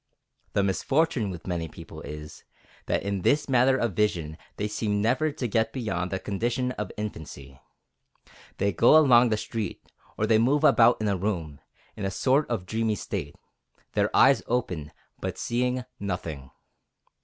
The misfortune with many people is, that in this matter of vision they seem never to get beyond the condition of infancy. They go along the street, or they move about in a room, in a sort of dreamy state, their eyes open, but seeing nothing.